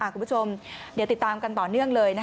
คุณผู้ชมเดี๋ยวติดตามกันต่อเนื่องเลย